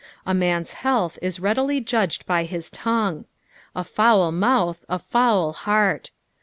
A man''s health ia readily judged by his tongue. A foul mouth, a foul heart.